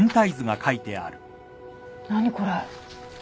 何これ？